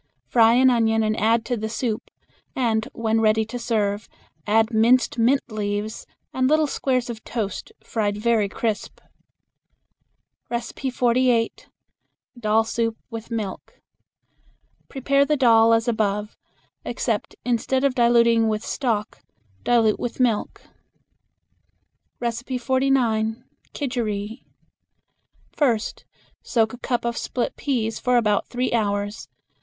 Fry an onion and add to the soup, and when ready to serve add minced mint leaves and little squares of toast, fried very crisp. 48. Dal Soup with Milk. Prepare the dal as above, except instead of diluting with stock dilute with milk. 49. Kidgeri. First soak a cup of split peas for about three hours.